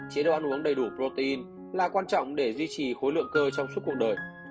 chế độ ăn uống đầy đủ protein là quan trọng để duy trì khối lượng cơ trong suốt cuộc đời